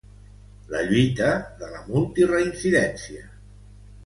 La lluita de la multireincidència